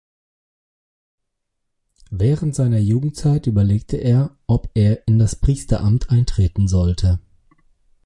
Während seiner Jugendzeit überlegte er, ob er in das Priesteramt eintreten sollte.